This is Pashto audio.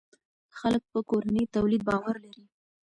خلک په کورني تولید باور لري.